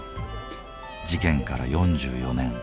事件から４４年。